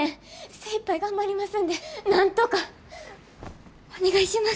精いっぱい頑張りますんでなんとか。お願いします。